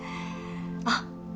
あっ。